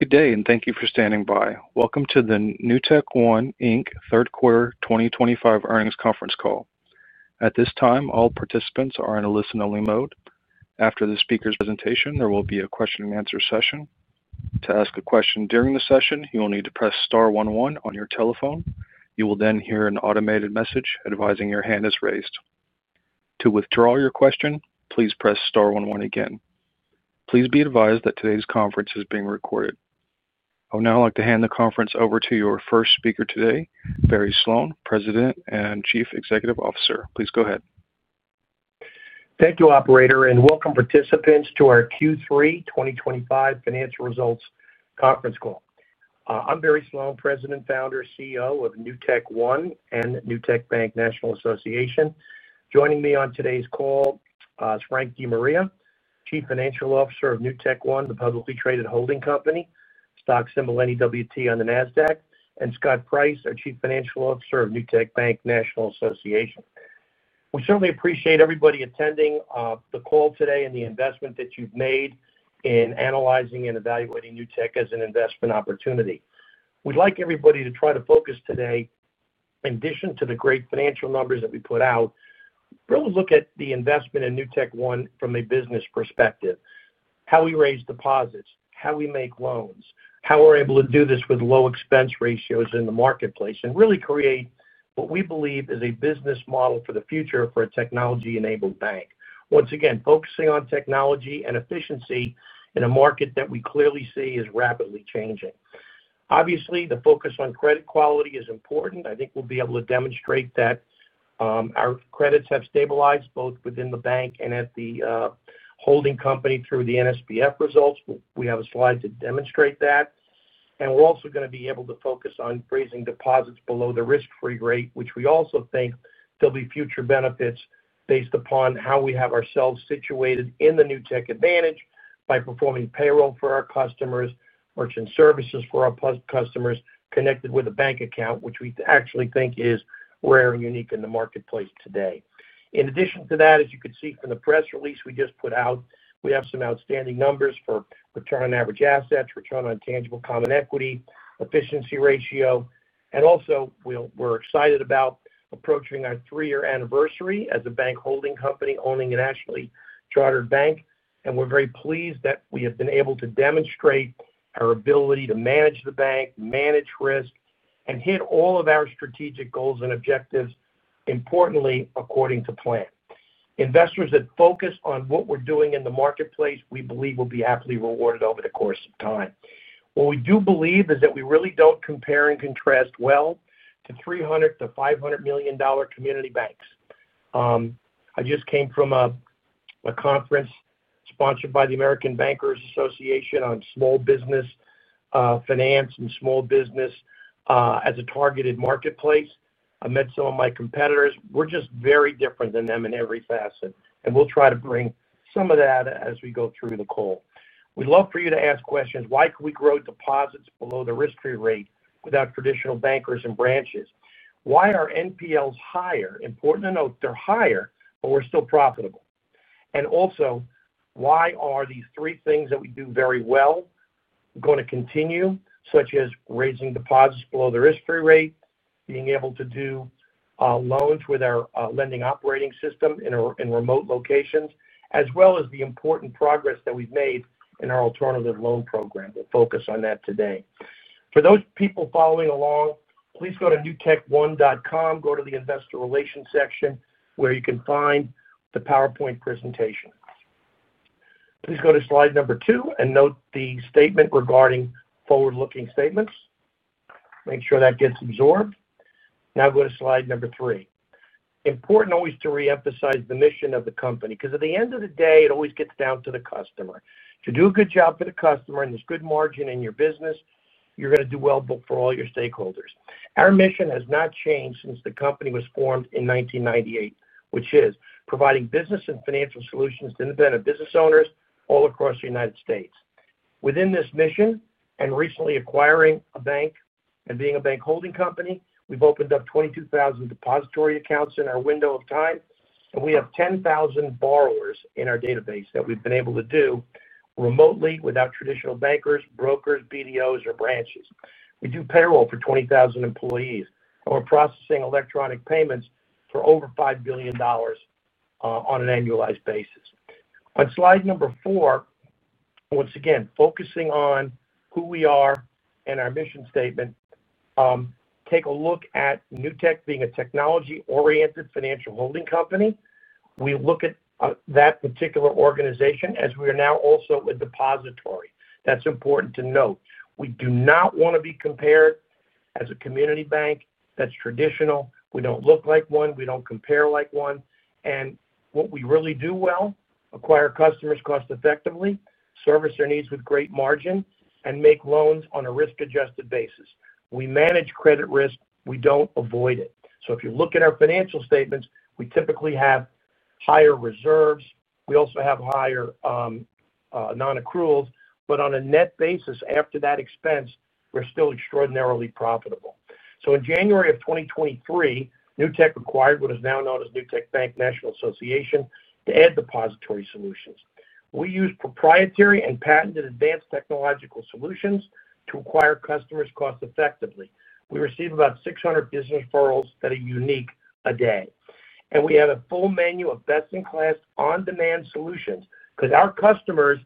Good day, and thank you for standing by. Welcome to the NewtekOne Inc. third quarter 2025 earnings conference call. At this time, all participants are in a listen-only mode. After the speaker's presentation, there will be a question-and-answer session. To ask a question during the session, you will need to press star one, one on your telephone. You will then hear an automated message advising your hand is raised. To withdraw your question, please press star one, one, again. Please be advised that today's conference is being recorded. I would now like to hand the conference over to your first speaker today, Barry Sloane, President and Chief Executive Officer. Please go ahead. Thank you, Operator, and welcome participants to our Q3 2025 financial results conference call. I'm Barry Sloane, President, Founder, CEO of NewtekOne and Newtek Bank, National Association. Joining me on today's call is Frank DeMaria, Chief Financial Officer of NewtekOne, the publicly traded holding company, stock symbol NEWT on the NASDAQ, and Scott Price, our Chief Financial Officer of Newtek Bank, National Association. We certainly appreciate everybody attending the call today and the investment that you've made in analyzing and evaluating Newtek as an investment opportunity. We'd like everybody to try to focus today, in addition to the great financial numbers that we put out, really look at the investment in NewtekOne from a business perspective. How we raise deposits, how we make loans, how we're able to do this with low expense ratios in the marketplace, and really create what we believe is a business model for the future for a technology-enabled bank. Once again, focusing on technology and efficiency in a market that we clearly see is rapidly changing. Obviously, the focus on credit quality is important. I think we'll be able to demonstrate that our credits have stabilized both within the bank and at the holding company through the NSBF results. We have a slide to demonstrate that. We're also going to be able to focus on raising deposits below the risk-free rate, which we also think there'll be future benefits based upon how we have ourselves situated in the Newtek Advantage by performing payroll for our customers, merchant services for our customers, connected with a bank account, which we actually think is rare and unique in the marketplace today. In addition to that, as you could see from the press release we just put out, we have some outstanding numbers for return on average assets, return on tangible common equity, efficiency ratio, and also we're excited about approaching our three-year anniversary as a bank holding company owning a nationally chartered bank. We're very pleased that we have been able to demonstrate our ability to manage the bank, manage risk, and hit all of our strategic goals and objectives, importantly, according to plan. Investors that focus on what we're doing in the marketplace, we believe, will be happily rewarded over the course of time. What we do believe is that we really don't compare and contrast well to $300 million-$500 million community banks. I just came from a conference sponsored by the American Bankers Association on small business finance and small business as a targeted marketplace. I met some of my competitors. We're just very different than them in every facet. We'll try to bring some of that as we go through the call. We'd love for you to ask questions. Why could we grow deposits below the risk-free rate without traditional bankers and branches? Why are NPLs higher? Important to note, they're higher, but we're still profitable. Also, why are these three things that we do very well going to continue, such as raising deposits below the risk-free rate, being able to do loans with our lending operating system in remote locations, as well as the important progress that we've made in our alternative loan program? We'll focus on that today. For those people following along, please go to newtekone.com, go to the investor relations section where you can find the PowerPoint presentation. Please go to slide number two and note the statement regarding forward-looking statements. Make sure that gets absorbed. Now go to slide number three. Important always to reemphasize the mission of the company because at the end of the day, it always gets down to the customer. If you do a good job for the customer and there's good margin in your business, you're going to do well for all your stakeholders. Our mission has not changed since the company was formed in 1998, which is providing business and financial solutions to independent business owners all across the U.S. Within this mission and recently acquiring a bank and being a bank holding company, we've opened up 22,000 depository accounts in our window of time, and we have 10,000 borrowers in our database that we've been able to do remotely without traditional bankers, brokers, BDOs, or branches. We do payroll for 20,000 employees, and we're processing electronic payments for over $5 billion on an annualized basis. On slide number four, once again, focusing on who we are and our mission statement, take a look at NewtekOne being a technology-oriented financial holding company. We look at that particular organization as we are now also a depository. That's important to note. We do not want to be compared as a community bank that's traditional. We don't look like one. We don't compare like one. What we really do well is acquire customers cost-effectively, service their needs with great margin, and make loans on a risk-adjusted basis. We manage credit risk. We don't avoid it. If you look at our financial statements, we typically have higher reserves. We also have higher non-accruals. On a net basis, after that expense, we're still extraordinarily profitable. In January of 2023, NewtekOne acquired what is now known as Newtek Bank, National Association to add depository solutions. We use proprietary and patented advanced technological solutions to acquire customers cost-effectively. We receive about 600 business referrals that are unique a day. We have a full menu of best-in-class on-demand solutions because our customers,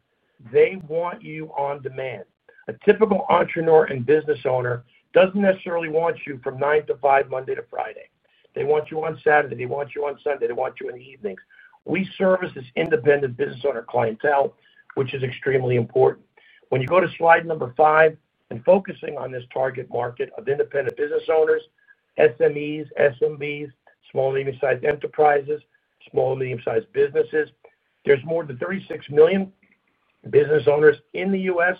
they want you on demand. A typical entrepreneur and business owner doesn't necessarily want you from 9:00 AM to 5:00 PM, Monday to Friday. They want you on Saturday. They want you on Sunday. They want you in the evenings. We service this independent business owner clientele, which is extremely important. When you go to slide number five and focus on this target market of independent business owners, SMEs, SMBs, small and medium-sized enterprises, small and medium-sized businesses, there's more than 36 million business owners in the U.S.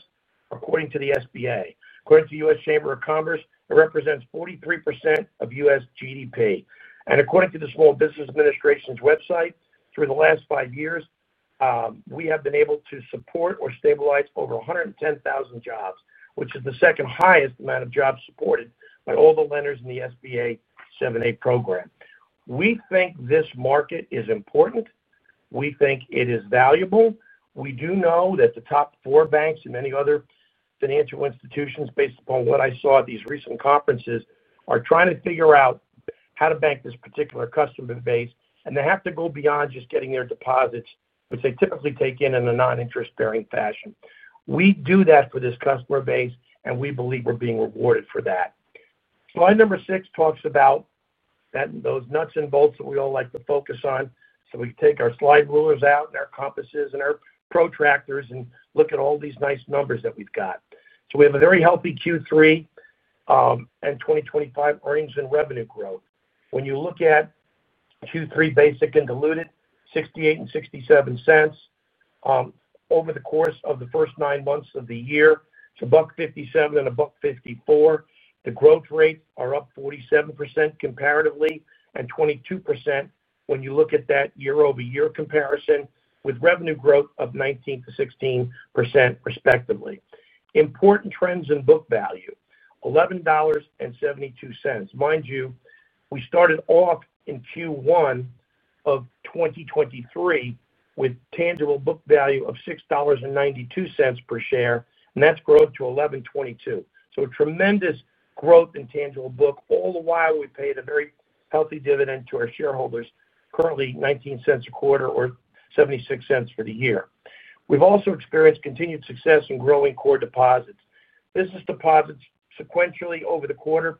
according to the SBA. According to the U.S. Chamber of Commerce, it represents 43% of U.S. GDP. According to the Small Business Administration's website, through the last five years, we have been able to support or stabilize over 110,000 jobs, which is the second highest amount of jobs supported by all the lenders in the SBA 7(a) program. We think this market is important. We think it is valuable. We do know that the top four banks and many other financial institutions, based upon what I saw at these recent conferences, are trying to figure out how to bank this particular customer base. They have to go beyond just getting their deposits, which they typically take in in a non-interest-bearing fashion. We do that for this customer base, and we believe we're being rewarded for that. Slide number six talks about those nuts and bolts that we all like to focus on. We can take our slide rulers out and our compasses and our protractors and look at all these nice numbers that we've got. We have a very healthy Q3 and 2025 earnings and revenue growth. When you look at Q3 basic and diluted, $0.68 and $0.67 over the course of the first nine months of the year, to $1.57 and $1.54. The growth rates are up 47% comparatively and 22% when you look at that year-over-year comparison with revenue growth of 19%-16% respectively. Important trends in book value, $11.72. Mind you, we started off in Q1 of 2023 with a tangible book value of $6.92 per share, and that's grown to $11.22. A tremendous growth in tangible book. All the while, we paid a very healthy dividend to our shareholders, currently $0.19 a quarter or $0.76 for the year. We've also experienced continued success in growing core deposits. Business deposits sequentially over the quarter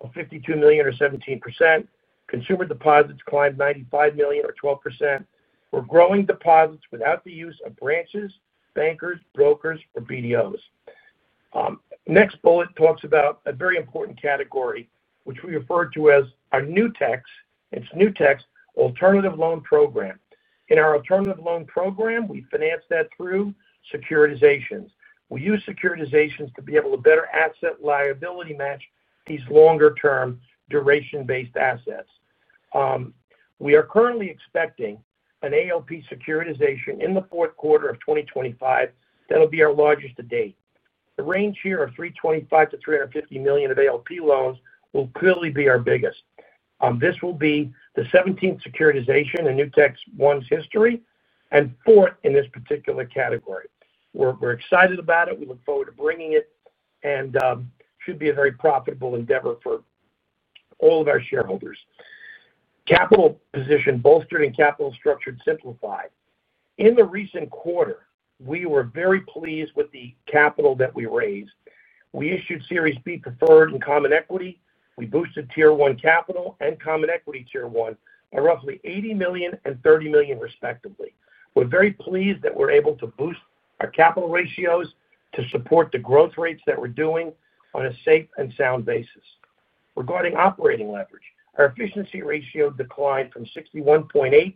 of $52 million or 17%. Consumer deposits climbed $95 million or 12%. We're growing deposits without the use of branches, bankers, brokers, or BDOs. Next bullet talks about a very important category, which we refer to as our Newtek, and it's NewtekOne's alternative loan program. In our alternative loan program, we finance that through securitizations. We use securitizations to be able to better asset liability match these longer-term duration-based assets. We are currently expecting an ALP securitization in the fourth quarter of 2025. That'll be our largest to date. The range here of $325 million-$350 million of ALP loans will clearly be our biggest. This will be the 17th securitization in NewtekOne's history and fourth in this particular category. We're excited about it. We look forward to bringing it and should be a very profitable endeavor for all of our shareholders. Capital position bolstered and capital structure simplified. In the recent quarter, we were very pleased with the capital that we raised. We issued Series B preferred and common equity. We boosted Tier 1 capital and common equity Tier 1 by roughly $80 million and $30 million, respectively. We're very pleased that we're able to boost our capital ratios to support the growth rates that we're doing on a safe and sound basis. Regarding operating leverage, our efficiency ratio declined from 61.8%-56.3%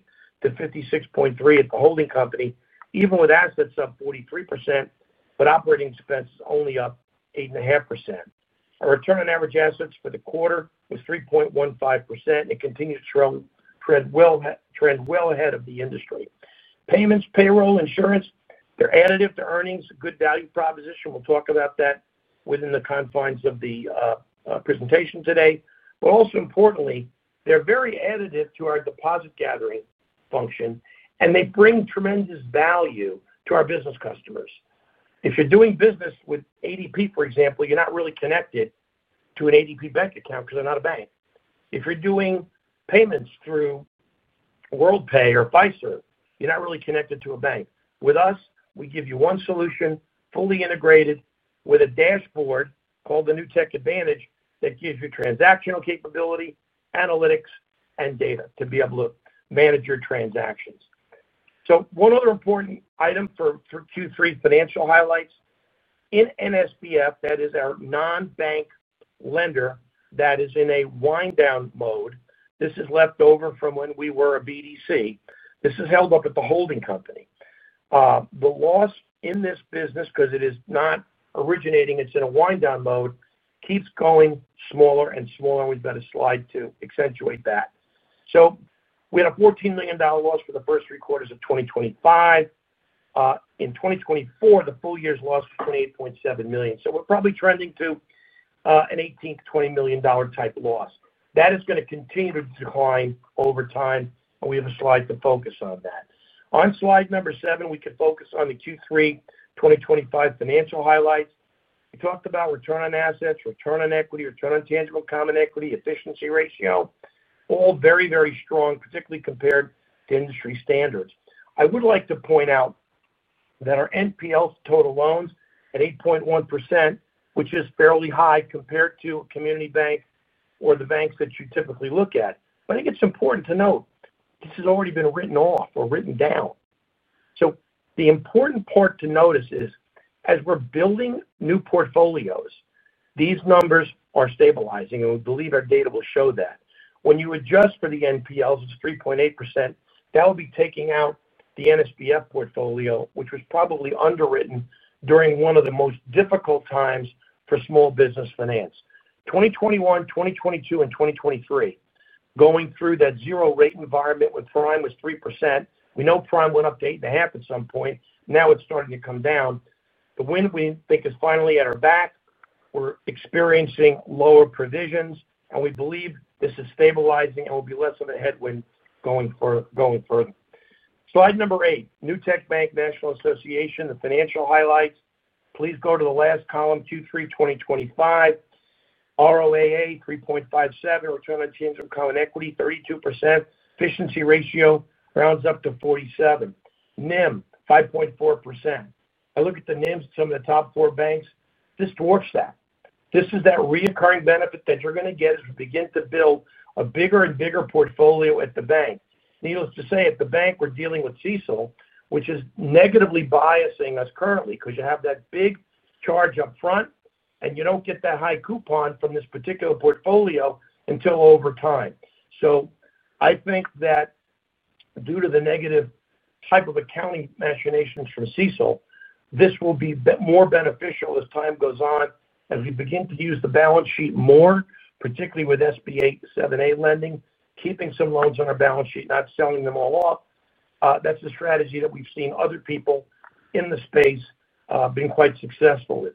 at the holding company, even with assets up 43%, but operating expenses only up 8.5%. Our return on average assets for the quarter was 3.15%. It continued to trend well ahead of the industry. Payments, payroll, insurance, they're additive to earnings, a good value proposition. We'll talk about that within the confines of the presentation today. Also importantly, they're very additive to our deposit gathering function, and they bring tremendous value to our business customers. If you're doing business with ADP, for example, you're not really connected to an ADP bank account because they're not a bank. If you're doing payments through Worldpay or Fiserv, you're not really connected to a bank. With us, we give you one solution, fully integrated, with a dashboard called the Newtek Advantage that gives you transactional capability, analytics, and data to be able to manage your transactions. One other important item for Q3 financial highlights. In NSBF, that is our non-bank lender that is in a wind-down mode. This is left over from when we were a BDC. This is held up at the holding company. The loss in this business, because it is not originating, it's in a wind-down mode, keeps going smaller and smaller. We've got a slide to accentuate that. We had a $14 million loss for the first three quarters of 2025. In 2024, the full year's loss was $28.7 million. We're probably trending to an $18 million-$20 million type loss. That is going to continue to decline over time, and we have a slide to focus on that. On slide number seven, we could focus on the Q3 2025 financial highlights. We talked about return on assets, return on equity, return on tangible and common equity, efficiency ratio, all very, very strong, particularly compared to industry standards. I would like to point out that our NPL total loans at 8.1%, which is fairly high compared to a community bank or the banks that you typically look at. I think it's important to note this has already been written off or written down. The important part to notice is, as we're building new portfolios, these numbers are stabilizing, and we believe our data will show that. When you adjust for the NPLs, it's 3.8%. That will be taking out the NSBF portfolio, which was probably underwritten during one of the most difficult times for small business finance. 2021, 2022, and 2023, going through that zero-rate environment with Prime was 3%. We know Prime went up to 8.5% at some point. Now it's starting to come down. The wind we think is finally at our back. We're experiencing lower provisions, and we believe this is stabilizing and will be less of a headwind going further. Slide number eight, Newtek Bank, National Association, the financial highlights. Please go to the last column, Q3 2025. ROAA, 3.57. Return on tangible common equity, 32%. Efficiency ratio rounds up to 47. NIM, 5.4%. I look at the NIMs of some of the top four banks. This dwarfs that. This is that recurring benefit that you're going to get as we begin to build a bigger and bigger portfolio at the bank. Needless to say, at the bank, we're dealing with CECL, which is negatively biasing us currently because you have that big charge up front, and you don't get that high coupon from this particular portfolio until over time. I think that due to the negative type of accounting machinations from CECL, this will be more beneficial as time goes on as we begin to use the balance sheet more, particularly with SBA 7(a) lending, keeping some loans on our balance sheet, not selling them all off. That's a strategy that we've seen other people in the space being quite successful with.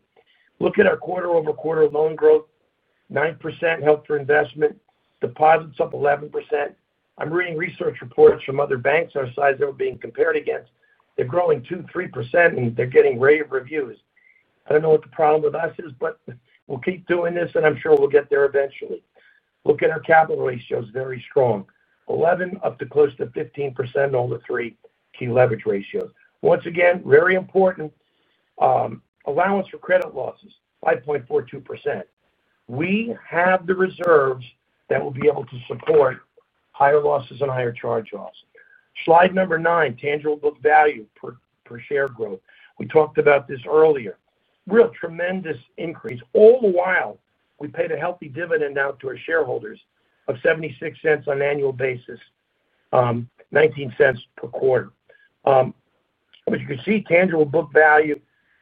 Look at our quarter-over-quarter loan growth, 9% held for investment, deposits up 11%. I'm reading research reports from other banks our size that we're being compared against. They're growing 2%, 3%, and they're getting rave reviews. I don't know what the problem with us is, but we'll keep doing this, and I'm sure we'll get there eventually. Look at our capital ratios, very strong. 11% up to close to 15% on all the three key leverage ratios. Once again, very important. Allowance for credit losses, 5.42%. We have the reserves that will be able to support higher losses and higher charge-offs. Slide number nine, tangible book value per share growth. We talked about this earlier. Real tremendous increase. All the while, we paid a healthy dividend out to our shareholders of $0.76 on an annual basis, $0.19 per quarter. As you can see, tangible book value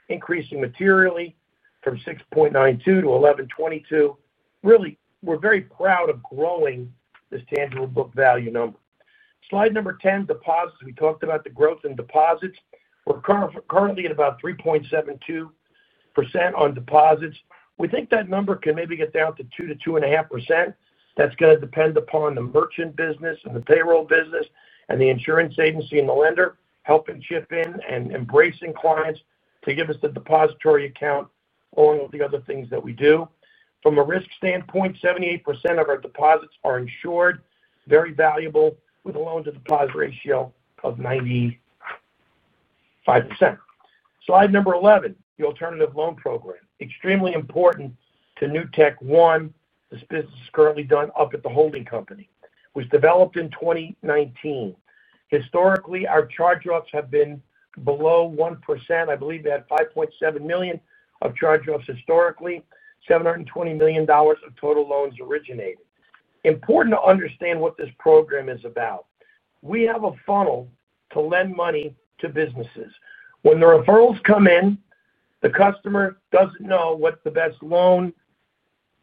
increasing materially from $6.92-$11.22. Really, we're very proud of growing this tangible book value number. Slide number 10, deposits. We talked about the growth in deposits. We're currently at about 3.72% on deposits. We think that number can maybe get down to 2%-2.5%. That's going to depend upon the merchant business and the payroll business and the insurance agency and the lender helping chip in and embracing clients to give us the depository account along with the other things that we do. From a risk standpoint, 78% of our deposits are insured, very valuable with a loan-to-deposit ratio of 95%. Slide number 11, the alternative loan program. Extremely important to NewtekOne. This business is currently done up at the holding company. It was developed in 2019. Historically, our charge-offs have been below 1%. I believe we had $5.7 million of charge-offs historically. $720 million of total loans originated. Important to understand what this program is about. We have a funnel to lend money to businesses. When the referrals come in, the customer doesn't know what the best loan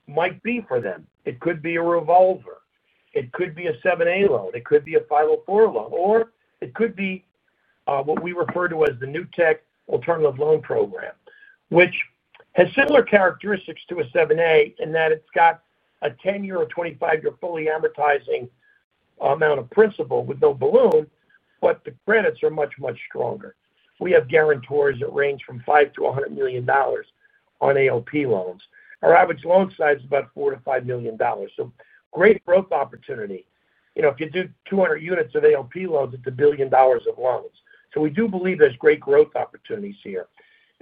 might be for them. It could be a revolver. It could be a 7(a) loan. It could be a 504 loan. It could be what we refer to as the ALP (alternative loan program), which has similar characteristics to a 7(a) in that it's got a 10-year or 25-year fully amortizing amount of principal with no balloon, but the credits are much, much stronger. We have guarantors that range from $5 million to $100 million on ALP loans. Our average loan size is about $4 million to $5 million. Great growth opportunity. If you do 200 units of ALP loans, it's $1 billion of loans. We do believe there's great growth opportunities here.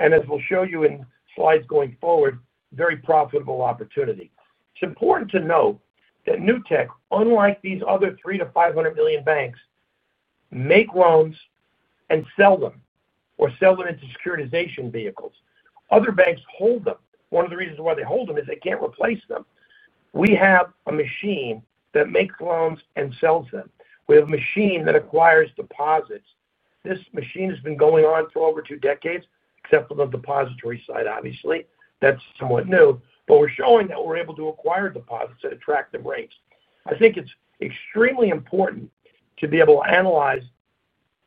As we'll show you in slides going forward, very profitable opportunity. It's important to note that NewtekOne, unlike these other $300 million-$500 million banks, make loans and sell them or sell them into securitization vehicles. Other banks hold them. One of the reasons why they hold them is they can't replace them. We have a machine that makes loans and sells them. We have a machine that acquires deposits. This machine has been going on for over two decades, except for the depository side, obviously. That's somewhat new. We're showing that we're able to acquire deposits at attractive rates. I think it's extremely important to be able to analyze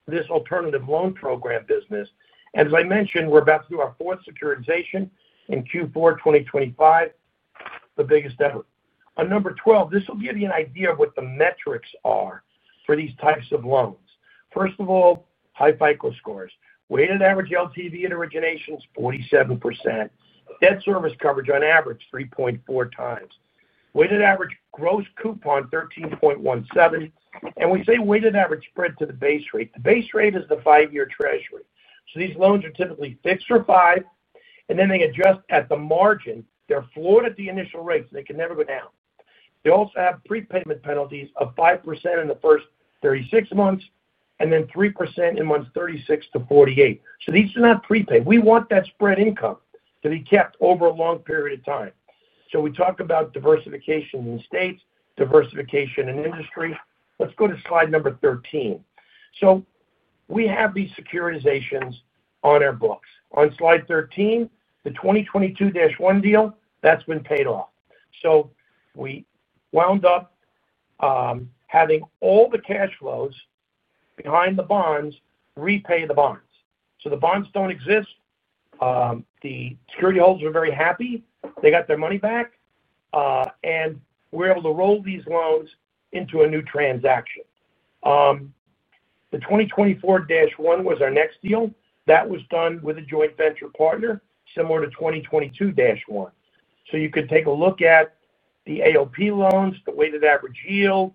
this alternative loan program business. As I mentioned, we're about to do our fourth securitization in Q4 2025, the biggest ever. On number 12, this will give you an idea of what the metrics are for these types of loans. First of all, high FICO scores. Weighted average LTV at origination is 47%. Debt service coverage on average 3.4x. Weighted average gross coupon 13.17%. We say weighted average spread to the base rate. The base rate is the five-year treasury. These loans are typically fixed for five, and then they adjust at the margin. They're floored at the initial rate, so they can never go down. They also have prepayment penalties of 5% in the first 36 months and then 3% in months 36-48. These are not prepaid. We want that spread income to be kept over a long period of time. We talk about diversification in states, diversification in industry. Let's go to slide number 13. We have these securitizations on our books. On slide 13, the 2022-1 deal, that's been paid off. We wound up having all the cash flows behind the bonds repay the bonds. The bonds don't exist. The security holders are very happy. They got their money back. We're able to roll these loans into a new transaction. The 2024-1 was our next deal. That was done with a joint venture partner similar to 2022-1. You could take a look at the ALP loans, the weighted average yield,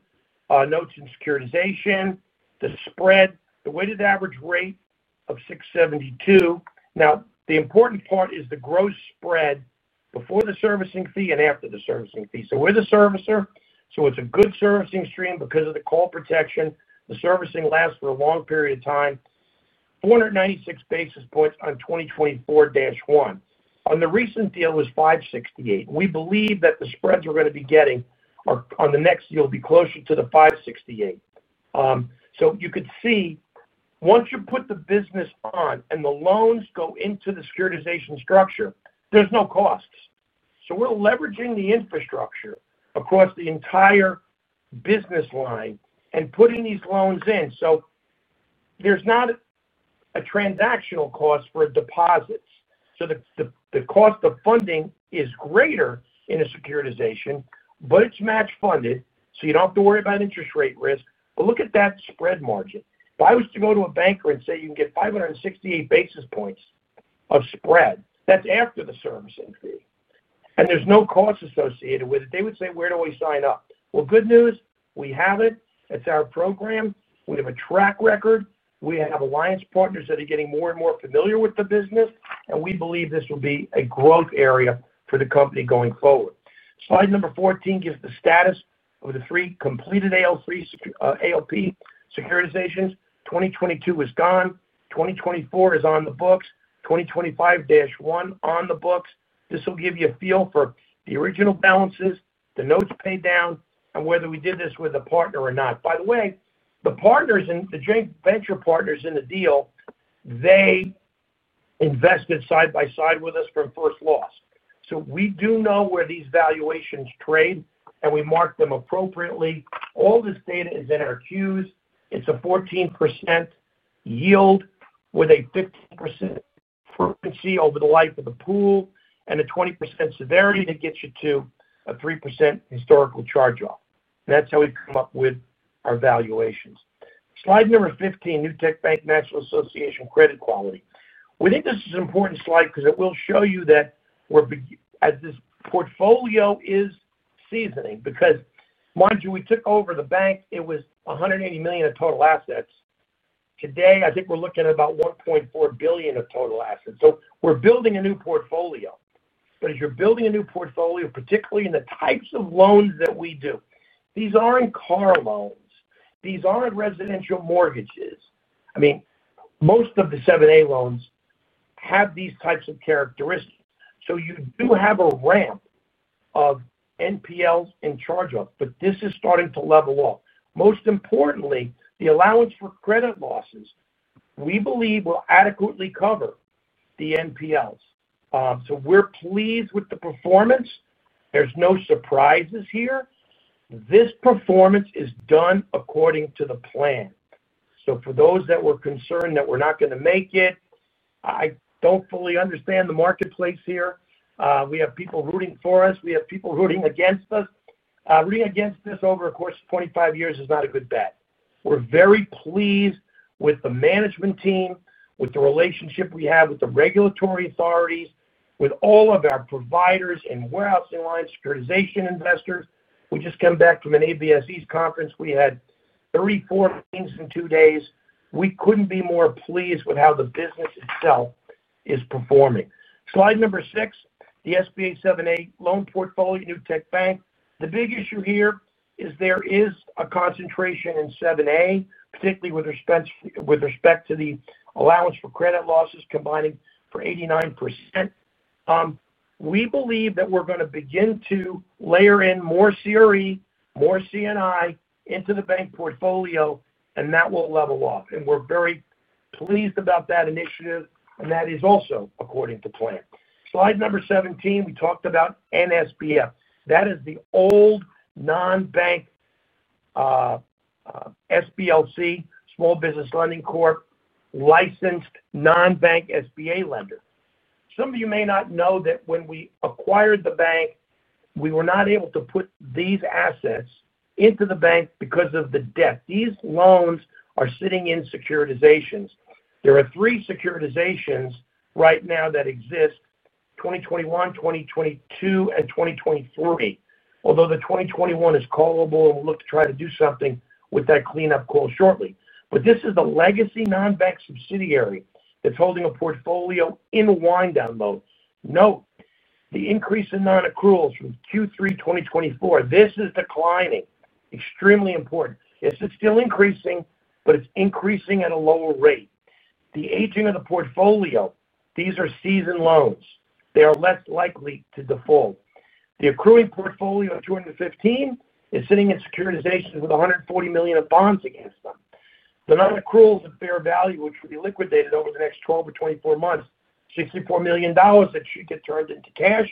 notes in securitization, the spread, the weighted average rate of 6.72%. The important part is the gross spread before the servicing fee and after the servicing fee. We're the servicer. It's a good servicing stream because of the call protection. The servicing lasts for a long period of time. 496 basis points on 2024-1. On the recent deal, it was 568. We believe that the spreads we're going to be getting on the next deal will be closer to the 568. You could see, once you put the business on and the loans go into the securitization structure, there's no costs. We're leveraging the infrastructure across the entire business line and putting these loans in. There's not a transactional cost for deposits. The cost of funding is greater in a securitization, but it's match-funded, so you don't have to worry about interest rate risk. Look at that spread margin. If I was to go to a banker and say you can get 568 basis points of spread, that's after the servicing fee, and there's no cost associated with it. They would say, "Where do we sign up?" Good news, we have it. It's our program. We have a track record. We have alliance partners that are getting more and more familiar with the business, and we believe this will be a growth area for the company going forward. Slide number 14 gives the status of the three completed ALP securitizations. 2022 is gone. 2024 is on the books. 2025-1 on the books. This will give you a feel for the original balances, the notes paid down, and whether we did this with a partner or not. By the way, the partners in the joint venture partners in the deal, they invested side by side with us from first loss. We do know where these valuations trade, and we mark them appropriately. All this data is in our queues. It's a 14% yield with a 15% frequency over the life of the pool and a 20% severity that gets you to a 3% historical charge-off. That's how we come up with our valuations. Slide number 15, Newtek Bank, National Association credit quality. We think this is an important slide because it will show you that this portfolio is seasoning because, mind you, we took over the bank. It was $180 million in total assets. Today, I think we're looking at about $1.4 billion of total assets. We're building a new portfolio. As you're building a new portfolio, particularly in the types of loans that we do, these aren't car loans. These aren't residential mortgages. Most of the SBA 7(a) loans have these types of characteristics. You do have a ramp of NPLs and charge-offs, but this is starting to level off. Most importantly, the allowance for credit losses, we believe, will adequately cover the NPLs. We're pleased with the performance. There's no surprises here. This performance is done according to the plan. For those that were concerned that we're not going to make it, I don't fully understand the marketplace here. We have people rooting for us. We have people rooting against us. Rooting against us over a course of 25 years is not a good bet. We're very pleased with the management team, with the relationship we have with the regulatory authorities, with all of our providers and warehousing lines, securitization investors. We just came back from an ABSE conference. We had 34 meetings in two days. We couldn't be more pleased with how the business itself is performing. Slide number six, the SBA 7(a) loan portfolio, Newtek Bank. The big issue here is there is a concentration in SBA 7(a), particularly with respect to the allowance for credit losses combining for 89%. We believe that we're going to begin to layer in more CRE, more C&I into the bank portfolio, and that will level off. We're very pleased about that initiative, and that is also according to plan. Slide number 17, we talked about NSBF. That is the old non-bank SBLC, Small Business Lending Corp, licensed non-bank SBA lender. Some of you may not know that when we acquired the bank, we were not able to put these assets into the bank because of the debt. These loans are sitting in securitizations. There are three securitizations right now that exist: 2021, 2022, and 2023. The 2021 is callable, and we'll look to try to do something with that cleanup call shortly. This is a legacy non-bank subsidiary that's holding a portfolio in wind-down mode. Note, the increase in non-accruals from Q3 2024, this is declining. Extremely important. Yes, it's still increasing, but it's increasing at a lower rate. The aging of the portfolio, these are seasoned loans. They are less likely to default. The accruing portfolio at $215 million is sitting in securitizations with $140 million of bonds against them. The non-accruals at fair value, which will be liquidated over the next 12 or 24 months, $64 million that should get turned into cash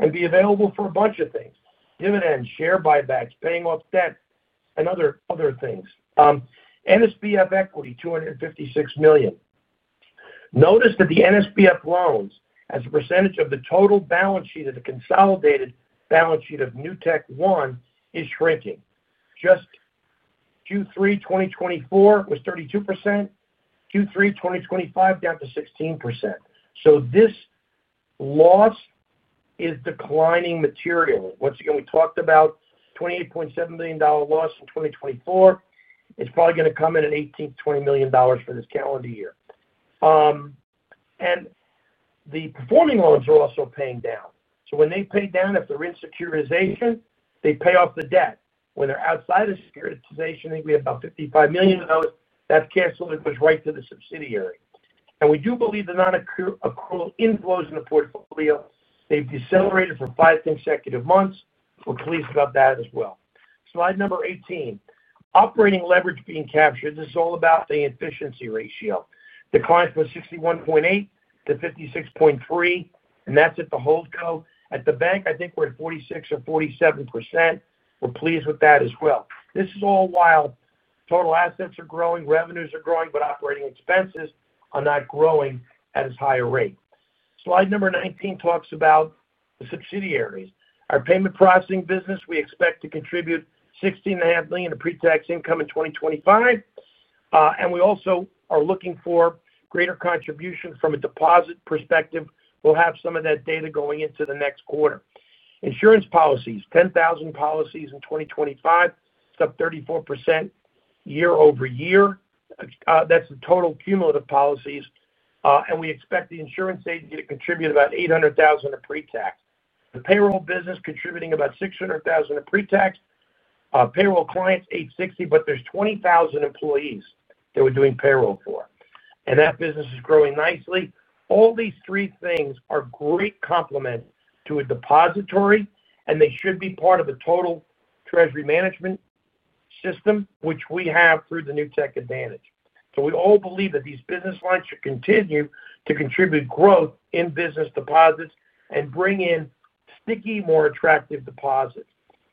and be available for a bunch of things, dividends, share buybacks, paying off debt, and other things. NSBF equity, $256 million. Notice that the NSBF loans, as a percentage of the total balance sheet of the consolidated balance sheet of NewtekOne, is shrinking. Just Q3 2024 was 32%. Q3 2025 down to 16%. This loss is declining materially. Once again, we talked about $28.7 million loss in 2024. It's probably going to come in at $18 to $20 million for this calendar year. The performing loans are also paying down. When they pay down, if they're in securitization, they pay off the debt. When they're outside of securitization, I think we have about $55 million. That's canceled and goes right to the subsidiary. We do believe the non-accrual inflows in the portfolio, they've decelerated for five consecutive months. We're pleased about that as well. Slide number 18, operating leverage being captured. This is all about the efficiency ratio. Declines from 61.8%-56.3%, and that's at the hold co. At the bank, I think we're at 46% or 47%. We're pleased with that as well. This is all while total assets are growing, revenues are growing, but operating expenses are not growing at a higher rate. Slide number 19 talks about the subsidiaries. Our payment processing business, we expect to contribute $16.5 million in pre-tax income in 2025. We also are looking for greater contribution from a deposit perspective. We'll have some of that data going into the next quarter. Insurance policies, 10,000 policies in 2025, it's up 34% year-over-year. That's the total cumulative policies. We expect the insurance agency to contribute about $800,000 of pre-tax. The payroll business contributing about $600,000 of pre-tax. Payroll clients, 860, but there's 20,000 employees that we're doing payroll for. That business is growing nicely. All these three things are great complement to a depository, and they should be part of the total treasury management system, which we have through the Newtek Advantage dashboard. We all believe that these business lines should continue to contribute growth in business deposits and bring in sticky, more attractive deposits.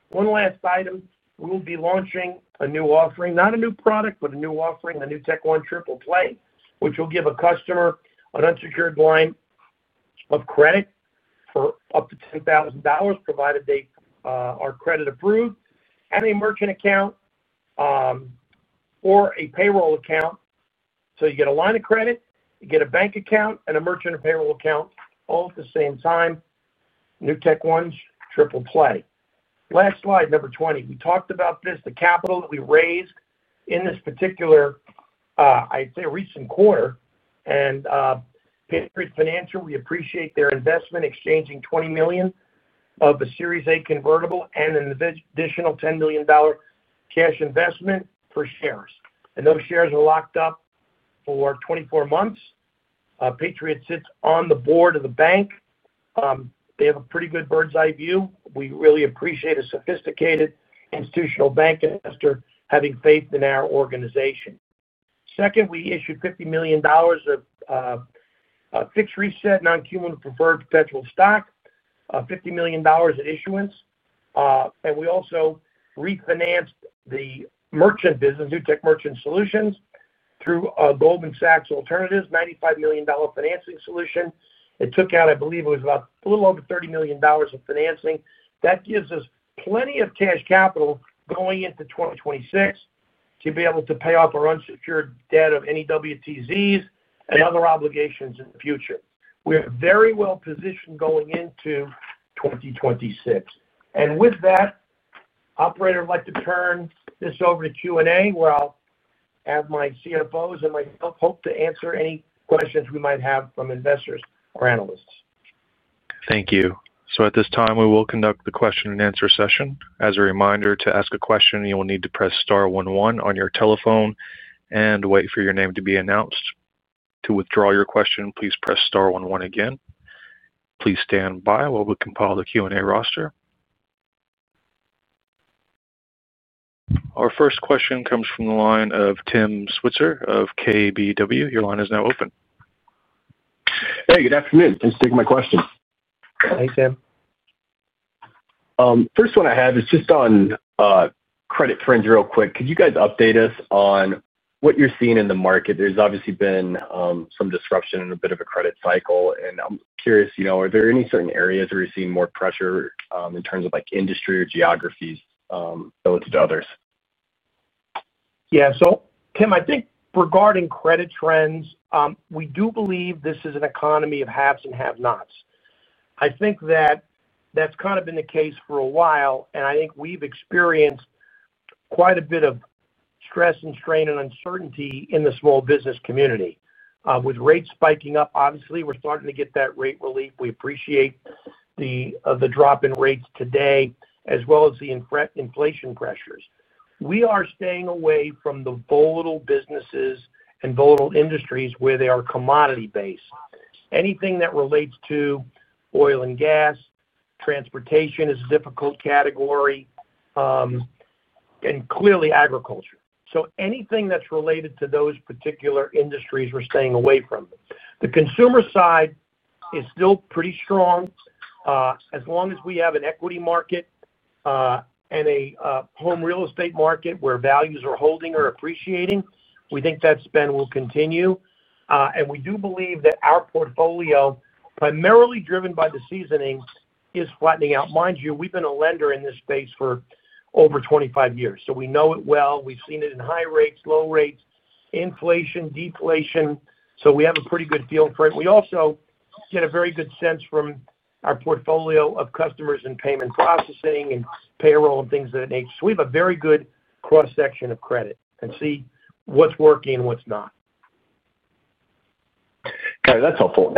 One last item, we'll be launching a new offering, not a new product, but a new offering, a NewtekOne 3Play, which will give a customer an unsecured line of credit for up to $10,000 provided they are credit approved and a merchant account or a payroll account. You get a line of credit, you get a bank account, and a merchant or payroll account all at the same time. NewtekOne's 3Play. Last slide, number 20. We talked about this, the capital that we raised in this particular, I'd say, recent quarter. Patriot Financial, we appreciate their investment, exchanging $20 million of a Series A convertible and an additional $10 million cash investment for shares. Those shares are locked up for 24 months. Patriot sits on the board of the bank. They have a pretty good bird's eye view. We really appreciate a sophisticated institutional bank investor having faith in our organization. Second, we issued $50 million of fixed reset, non-cumulative preferred potential stock, $50 million at issuance. We also refinanced the merchant business, Newtek Merchant Solutions, through Goldman Sachs Alternatives, $95 million financing solution. It took out, I believe it was about a little over $30 million of financing. That gives us plenty of cash capital going into 2026 to be able to pay off our unsecured debt of any WTZs and other obligations in the future. We are very well positioned going into 2026. With that, Operator, I'd like to turn this over to Q&A, where I'll have my CFOs and myself hope to answer any questions we might have from investors or analysts. Thank you. At this time, we will conduct the question and answer session. As a reminder, to ask a question, you will need to press star one, one on your telephone and wait for your name to be announced. To withdraw your question, please press star 11 again. Please stand by while we compile the Q&A roster. Our first question comes from the line of Tim Switzer of KBW. Your line is now open. Hey, good afternoon. Thanks for taking my question. Thanks, Tim. First one I have is just on credit trends real quick. Could you guys update us on what you're seeing in the market? There's obviously been some disruption in a bit of a credit cycle. I'm curious, are there any certain areas where you're seeing more pressure in terms of industry or geographies relative to others? Yeah. Tim, I think regarding credit trends, we do believe this is an economy of haves and have-nots. I think that's kind of been the case for a while, and I think we've experienced quite a bit of stress and strain and uncertainty in the small business community. With rates spiking up, obviously, we're starting to get that rate relief. We appreciate the drop in rates today, as well as the inflation pressures. We are staying away from the volatile businesses and volatile industries where they are commodity-based. Anything that relates to oil and gas, transportation is a difficult category, and clearly agriculture. Anything that's related to those particular industries, we're staying away from. The consumer side is still pretty strong. As long as we have an equity market and a home real estate market where values are holding or appreciating, we think that spend will continue. We do believe that our portfolio, primarily driven by the seasoning, is flattening out. Mind you, we've been a lender in this space for over 25 years. We know it well. We've seen it in high rates, low rates, inflation, deflation. We have a pretty good feel for it. We also get a very good sense from our portfolio of customers in payment processing and payroll and things of that nature. We have a very good cross-section of credit and see what's working and what's not. Got it. That's helpful.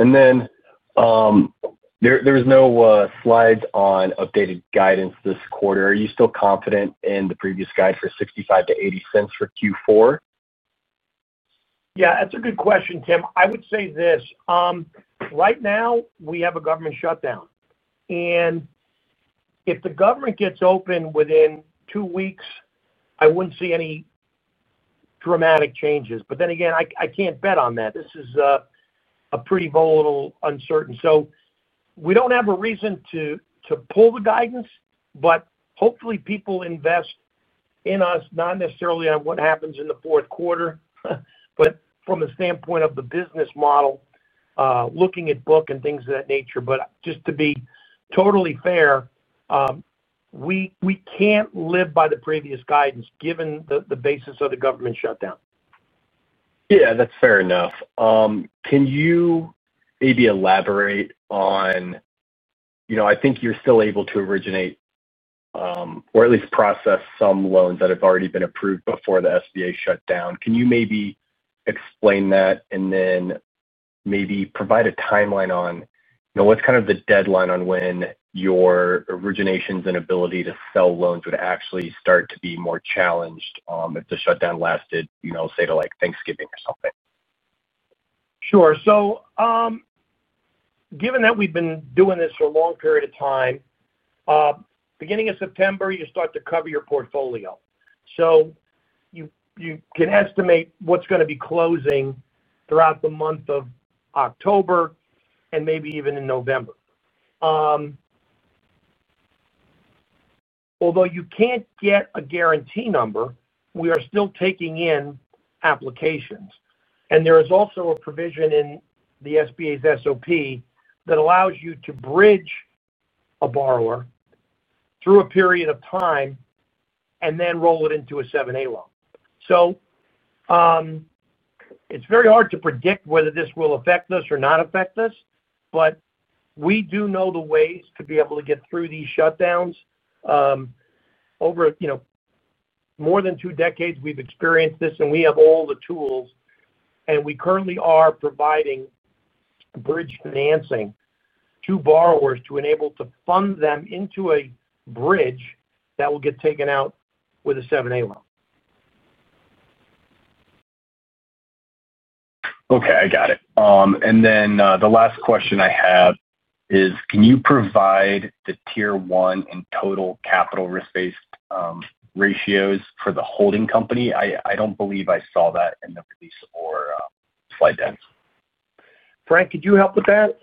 There's no slides on updated guidance this quarter. Are you still confident in the previous guide for $0.65-$0.80 for Q4? Yeah. That's a good question, Tim. I would say this. Right now, we have a government shutdown. If the government gets open within two weeks, I wouldn't see any dramatic changes. Then again, I can't bet on that. This is a pretty volatile, uncertain. We don't have a reason to pull the guidance, but hopefully, people invest in us, not necessarily on what happens in the fourth quarter, but from a standpoint of the business model, looking at book and things of that nature. Just to be totally fair, we can't live by the previous guidance given the basis of the government shutdown. Yeah, that's fair enough. Can you maybe elaborate on, you know, I think you're still able to originate or at least process some loans that have already been approved before the SBA shutdown. Can you maybe explain that and then maybe provide a timeline on, you know, what's kind of the deadline on when your originations and ability to sell loans would actually start to be more challenged if the shutdown lasted, you know, say to like Thanksgiving or something? Sure. Given that we've been doing this for a long period of time, beginning of September, you start to cover your portfolio. You can estimate what's going to be closing throughout the month of October and maybe even in November. Although you can't get a guarantee number, we are still taking in applications. There is also a provision in the SBA's SOP that allows you to bridge a borrower through a period of time and then roll it into a 7(a) loan. It's very hard to predict whether this will affect us or not affect us, but we do know the ways to be able to get through these shutdowns. Over more than two decades, we've experienced this, and we have all the tools, and we currently are providing bridge financing to borrowers to enable to fund them into a bridge that will get taken out with a 7(a) loan. Okay, I got it. The last question I have is, can you provide the Tier 1 and total capital risk-based ratios for the holding company? I don't believe I saw that in the release or slide deck. Frank, could you help with that?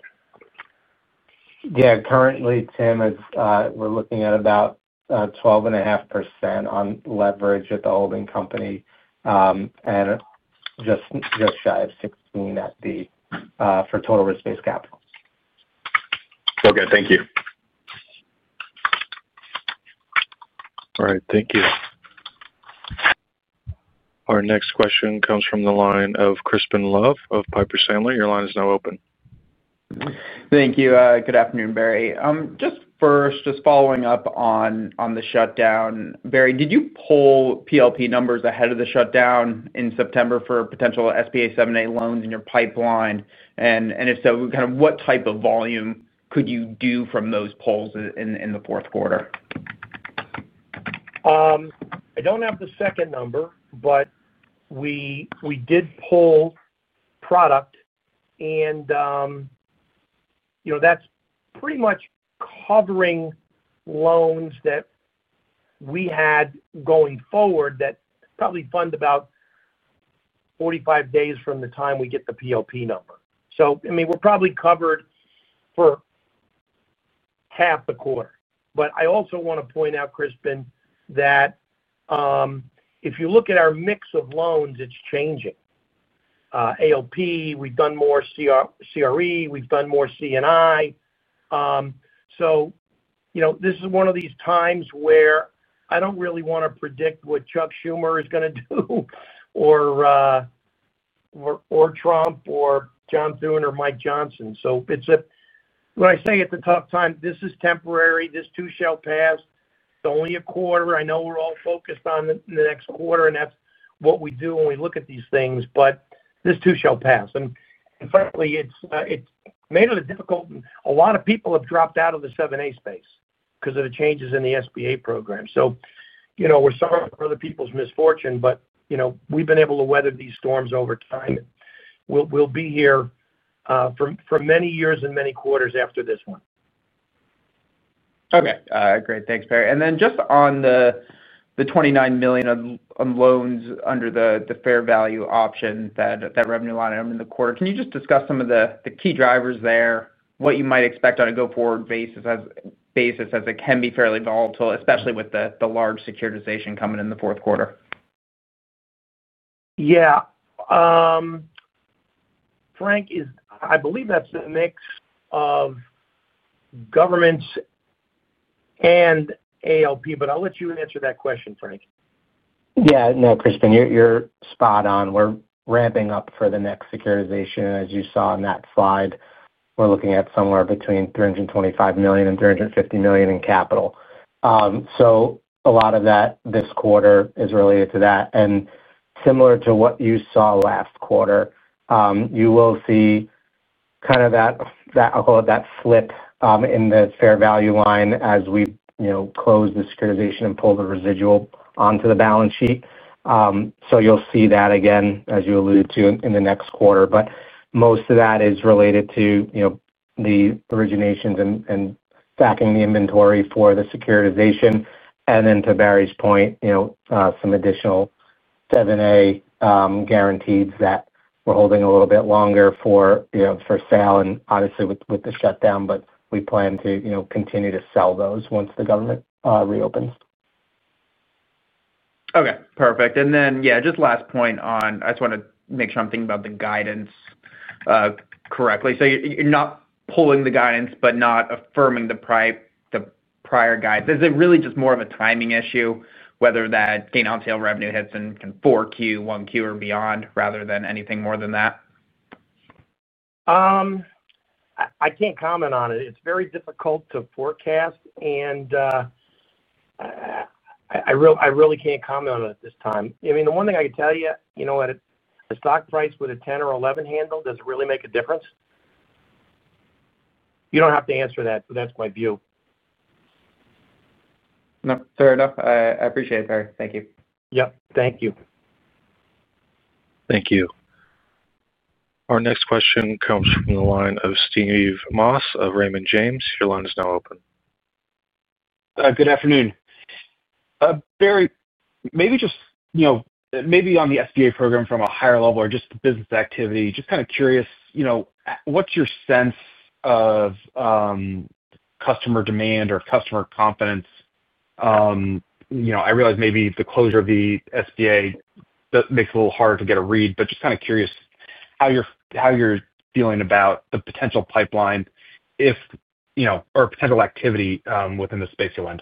Yeah.Currently, Tim, we're looking at about 12.5% on leverage at the holding company and just shy of 16% for total risk-based capital. Okay, thank you. All right, thank you. Our next question comes from the line of Crispin Love of Piper Sandler. Your line is now open. Thank you. Good afternoon, Barry. Just first, just following up on the shutdown, Barry, did you pull PLP numbers ahead of the shutdown in September for potential SBA 7(a) loans in your pipeline? If so, what type of volume could you do from those pulls in the fourth quarter? I don't have the second number, but we did pull product, and you know that's pretty much covering loans that we had going forward that probably fund about 45 days from the time we get the PLP number. I mean, we're probably covered for half the quarter. I also want to point out, Crispin, that if you look at our mix of loans, it's changing. ALP, we've done more CRE, we've done more C&I. This is one of these times where I don't really want to predict what Chuck Schumer is going to do or Trump or John Thune or Mike Johnson. When I say it's a tough time, this is temporary. This too shall pass. It's only a quarter. I know we're all focused on the next quarter, and that's what we do when we look at these things, but this too shall pass. Frankly, it's made it a little difficult, and a lot of people have dropped out of the 7(a) space because of the changes in the SBA program. We're sorry for other people's misfortune, but you know we've been able to weather these storms over time. We'll be here for many years and many quarters after this one. Okay, great. Thanks, Barry. On the $29 million of loans under the fair value option, that revenue line item in the quarter, can you discuss some of the key drivers there, what you might expect on a go-forward basis as it can be fairly volatile, especially with the large securitization coming in the fourth quarter? Yeah. Frank, I believe that's a mix of government and ALP, but I'll let you answer that question, Frank. Yeah. No, Crispin, you're spot on. We're ramping up for the next securitization. As you saw in that slide, we're looking at somewhere between $325 million and $350 million in capital. A lot of that this quarter is related to that. Similar to what you saw last quarter, you will see that flip in the fair value line as we close the securitization and pull the residual onto the balance sheet. You will see that again, as you alluded to, in the next quarter. Most of that is related to the originations and stacking the inventory for the securitization. To Barry Sloane's point, some additional SBA 7(a) guarantees that we're holding a little bit longer for sale, and obviously with the shutdown, but we plan to continue to sell those once the government reopens. Okay, perfect. Just last point, I just want to make sure I'm thinking about the guidance correctly. You're not pulling the guidance, but not affirming the prior guidance. Is it really just more of a timing issue, whether that gain on sale revenue hits in kind of Q4, Q1, or beyond, rather than anything more than that? I can't comment on it. It's very difficult to forecast, and I really can't comment on it at this time. The one thing I could tell you, you know what, the stock price with a 10 or 11 handle, does it really make a difference? You don't have to answer that, but that's my view. No, fair enough. I appreciate it, Barry. Thank you. Thank you. Thank you. Our next question comes from the line of Steve Moss of Raymond James. Your line is now open. Good afternoon. Barry, maybe just, you know, maybe on the SBA program from a higher level or just the business activity, just kind of curious, you know, what's your sense of customer demand or customer confidence? I realize maybe the closure of the SBA makes it a little harder to get a read, but just kind of curious how you're feeling about the potential pipeline or potential activity within the space you'll end.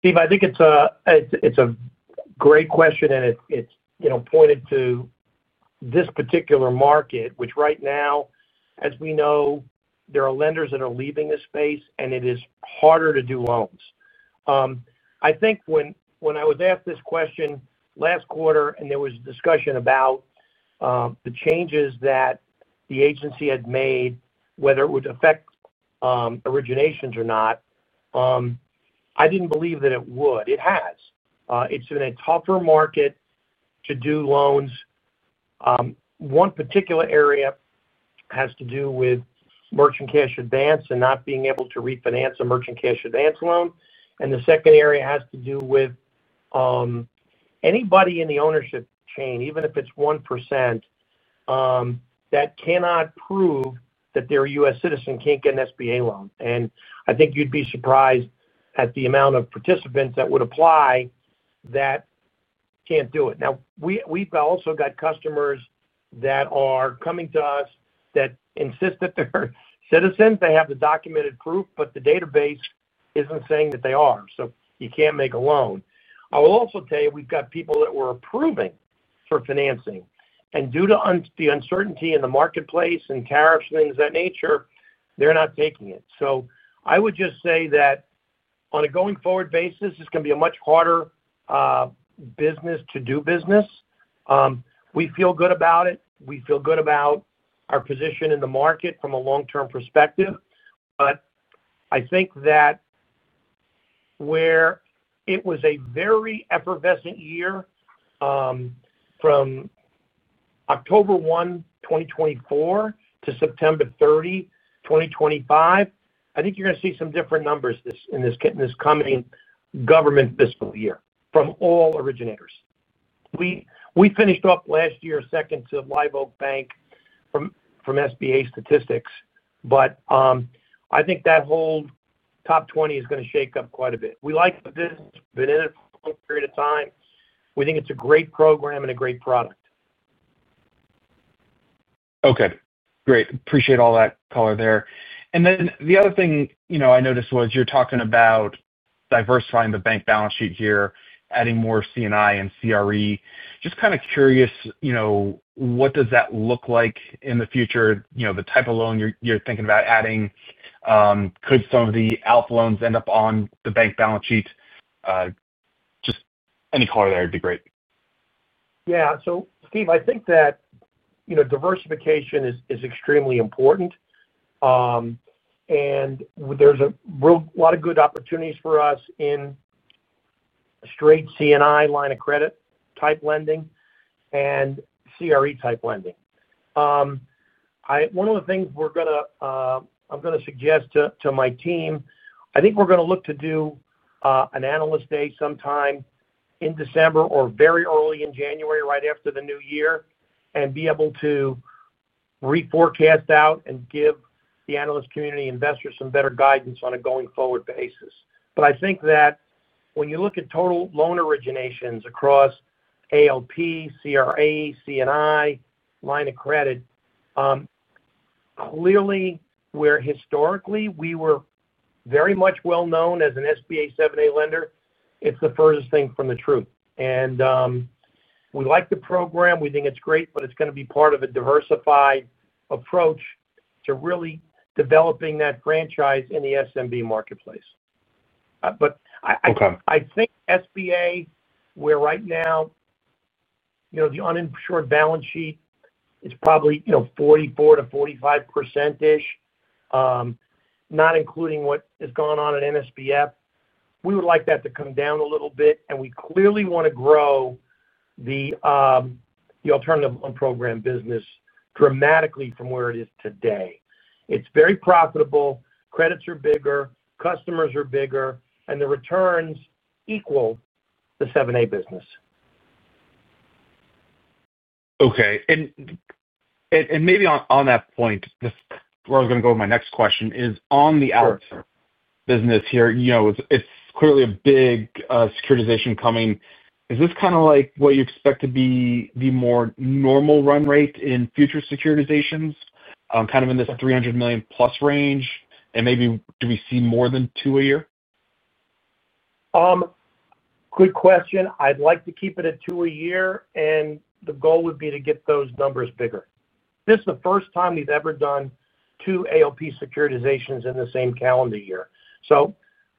Steve, I think it's a great question, and it's pointed to this particular market, which right now, as we know, there are lenders that are leaving this space, and it is harder to do loans. I think when I was asked this question last quarter and there was discussion about the changes that the agency had made, whether it would affect originations or not, I didn't believe that it would. It has. It's been a tougher market to do loans. One particular area has to do with merchant cash advance and not being able to refinance a merchant cash advance loan. The second area has to do with anybody in the ownership chain, even if it's 1%, that cannot prove that they're a U.S. citizen can't get an SBA loan. I think you'd be surprised at the amount of participants that would apply that can't do it. Now, we've also got customers that are coming to us that insist that they're citizens. They have the documented proof, but the database isn't saying that they are, so you can't make a loan. I will also tell you we've got people that we're approving for financing, and due to the uncertainty in the marketplace and tariffs and things of that nature, they're not taking it. I would just say that on a going forward basis, it's going to be a much harder business to do business. We feel good about it. We feel good about our position in the market from a long-term perspective. I think that where it was a very effervescent year, from October 1, 2024 to September 30, 2025, I think you're going to see some different numbers in this coming government fiscal year from all originators. We finished up last year second to Live Oak Bank from SBA statistics, but I think that whole top 20 is going to shake up quite a bit. We like the business. We've been in it for a long period of time. We think it's a great program and a great product. Okay. Great. Appreciate all that color there. The other thing I noticed was you're talking about diversifying the bank balance sheet here, adding more C&I and CRE. Just kind of curious, what does that look like in the future? The type of loan you're thinking about adding, could some of the ALP loans end up on the bank balance sheet? Just any color there would be great. Yeah. Steve, I think that, you know, diversification is extremely important, and there's a real lot of good opportunities for us in straight C&I line of credit type lending and CRE type lending. One of the things we're going to, I'm going to suggest to my team, I think we're going to look to do an analyst day sometime in December or very early in January, right after the new year, and be able to reforecast out and give the analyst community investors some better guidance on a going forward basis. I think that when you look at total loan originations across ALP, CRE, C&I line of credit, clearly, where historically we were very much well known as an SBA 7(a) lender, it's the furthest thing from the truth. We like the program. We think it's great, but it's going to be part of a diversified approach to really developing that franchise in the SMB marketplace. I think SBA, where right now, you know, the uninsured balance sheet is probably, you know, 44%-45%-ish, not including what is going on at NSBF. We would like that to come down a little bit, and we clearly want to grow the alternative loan program business dramatically from where it is today. It's very profitable. Credits are bigger. Customers are bigger. The returns equal the 7(a) business. Okay. Maybe on that point, where I was going to go with my next question is on the ALP business here. You know, it's clearly a big securitization coming. Is this kind of like what you expect to be the more normal run rate in future securitizations, kind of in this $300 million+ range? Maybe do we see more than two a year? Good question. I'd like to keep it at two a year, and the goal would be to get those numbers bigger. This is the first time we've ever done two ALP securitizations in the same calendar year.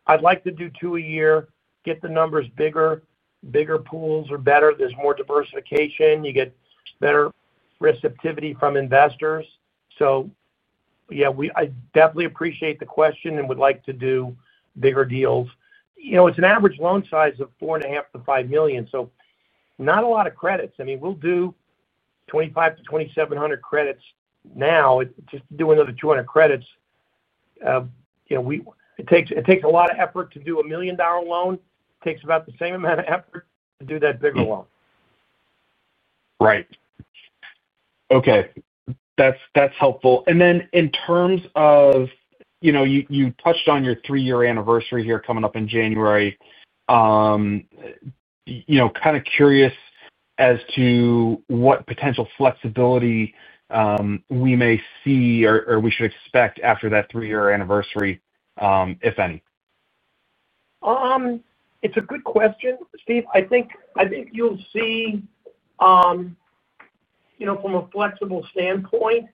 I'd like to do two a year, get the numbers bigger. Bigger pools are better. There's more diversification. You get better receptivity from investors. I definitely appreciate the question and would like to do bigger deals. It's an average loan size of $4.5 million-$5 million, so not a lot of credits. We'll do 2,500-2,700 credits now. Just to do another 200 credits, it takes a lot of effort to do a $1 million loan. It takes about the same amount of effort to do that bigger loan. Right. Okay. That's helpful. In terms of, you touched on your three-year anniversary here coming up in January. Kind of curious as to what potential flexibility we may see or we should expect after that three-year anniversary, if any. It's a good question, Steve. I think you'll see, from a flexible standpoint,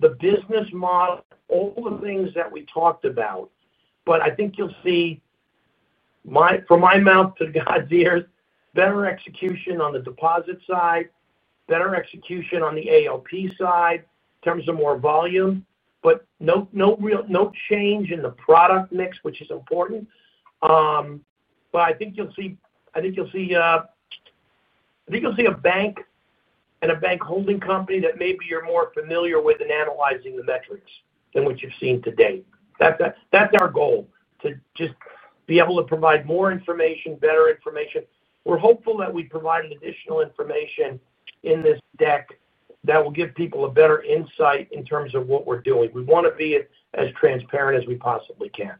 the business model, all the things that we talked about. I think you'll see, from my mouth to God's ears, better execution on the deposit side, better execution on the ALP side in terms of more volume, but no real change in the product mix, which is important. I think you'll see a bank and a bank holding company that maybe you're more familiar with in analyzing the metrics than what you've seen to date. That's our goal, to just be able to provide more information, better information. We're hopeful that we provide additional information in this deck that will give people a better insight in terms of what we're doing. We want to be as transparent as we possibly can.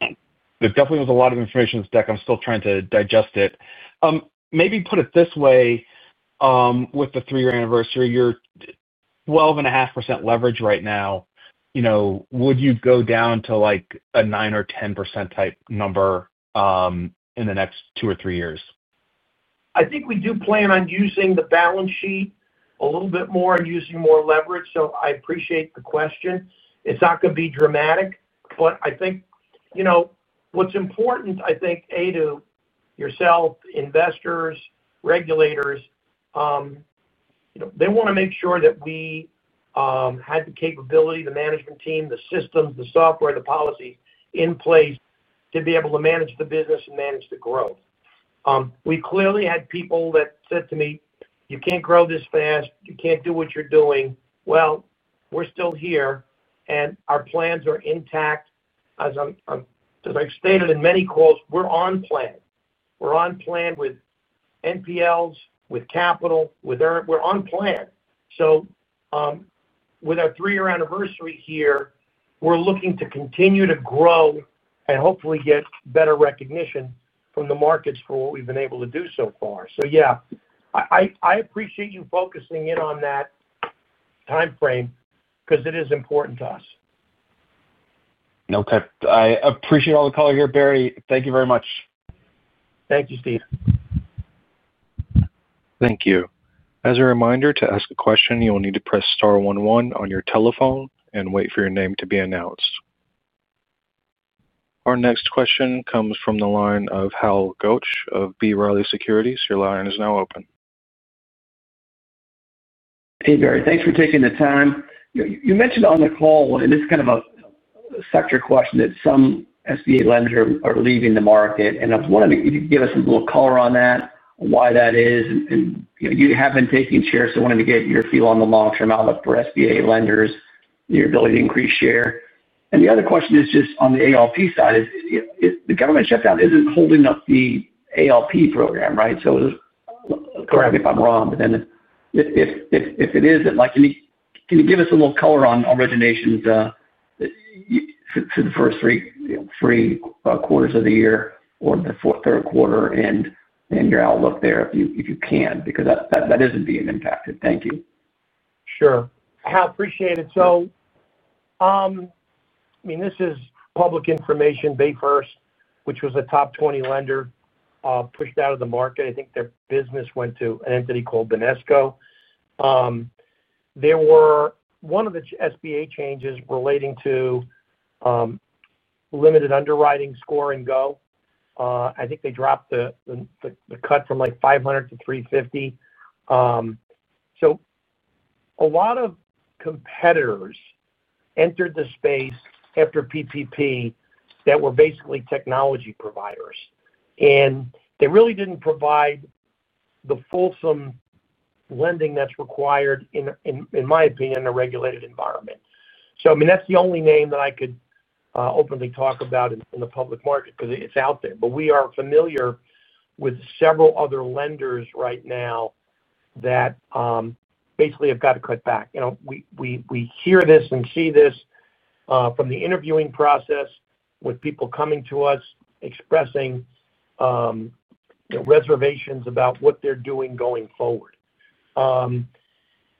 There definitely was a lot of information in this deck. I'm still trying to digest it. Maybe put it this way, with the three-year anniversary, you're at 12.5% leverage right now. You know, would you go down to like a 9% or 10% type number in the next two or three years? I think we do plan on using the balance sheet a little bit more and using more leverage. I appreciate the question. It's not going to be dramatic, but I think what's important, A, to yourself, investors, regulators, they want to make sure that we had the capability, the management team, the systems, the software, the policies in place to be able to manage the business and manage the growth. We clearly had people that said to me, "You can't grow this fast. You can't do what you're doing." We're still here, and our plans are intact. As I've stated in many calls, we're on plan. We're on plan with NPLs, with capital, with error. We're on plan. With our three-year anniversary here, we're looking to continue to grow and hopefully get better recognition from the markets for what we've been able to do so far.I appreciate you focusing in on that timeframe because it is important to us. Okay, I appreciate all the color here, Barry. Thank you very much. Thank you, Steve. Thank you. As a reminder, to ask a question, you will need to press star 11 on your telephone and wait for your name to be announced. Our next question comes from the line of Hal Goch of B. Riley Securities. Your line is now open. Hey, Barry. Thanks for taking the time. You mentioned on the call, and this is kind of a sector question, that some SBA lenders are leaving the market. I was wondering if you could give us a little color on that, why that is. You have been taking shares, so I wanted to get your feel on the long-term outlook for SBA lenders, your ability to increase share. The other question is just on the ALP side, the government shutdown isn't holding up the ALP program, right? Correct me if I'm wrong, but then if it is, can you give us a little color on originations for the first three quarters of the year or the fourth, third quarter and your outlook there if you can because that isn't being impacted. Thank you. Sure. Hal, appreciate it. This is public information. BayFirst, which was a top 20 lender, pushed out of the market. I think their business went to an entity called Benesco. One of the SBA changes relating to limited underwriting score and go, I think they dropped the cut from like 500-350. A lot of competitors entered the space after PPP that were basically technology providers. They really didn't provide the fulsome lending that's required, in my opinion, in a regulated environment. That's the only name that I could openly talk about in the public market because it's out there. We are familiar with several other lenders right now that basically have got to cut back. We hear this and see this from the interviewing process with people coming to us expressing reservations about what they're doing going forward.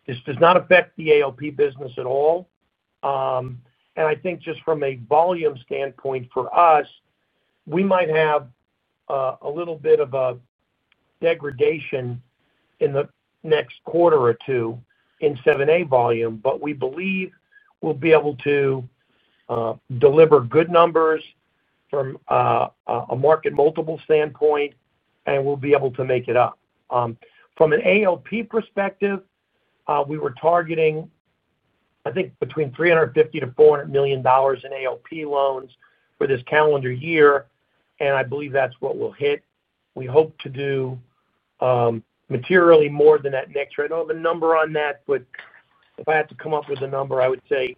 This does not affect the ALP business at all. I think just from a volume standpoint for us, we might have a little bit of a degradation in the next quarter or two in 7(a) volume, but we believe we'll be able to deliver good numbers from a market multiple standpoint, and we'll be able to make it up. From an ALP perspective, we were targeting, I think, between $350 million-$400 million in ALP loans for this calendar year, and I believe that's what we'll hit. We hope to do materially more than that next year. I don't have a number on that, but if I had to come up with a number, I would say